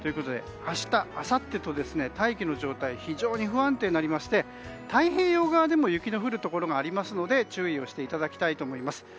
明日あさってと、大気の状態非常に不安定になりまして太平洋側でも雪が降るところがありますので注意していただきたいと思います。